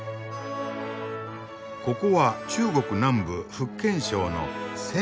ここは中国南部・福建省の泉州。